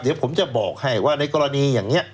เดี๋ยวผมจะบอกให้ว่าในกรณีอย่างนี้